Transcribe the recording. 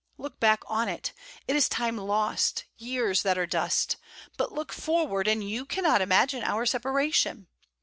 Look back on it it is time lost, years that are dust. But look forward, and you cannot imagine our separation.